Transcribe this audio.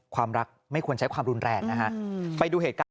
ความรักไม่ควรใช้ความรุนแรกนะฮะ